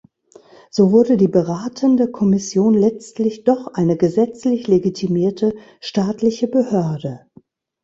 So wurde die "beratende Kommission" letztlich doch eine gesetzlich legitimierte, staatliche Behörde.